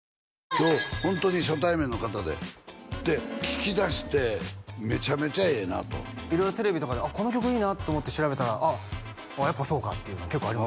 今日ホントに初対面の方でで聴きだしてめちゃめちゃええなと色々テレビとかでこの曲いいなと思って調べたらあっやっぱそうかっていうの結構あります